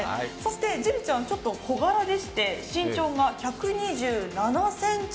樹李ちゃん、ちょっと小柄でして、身長が１２７ｃｍ。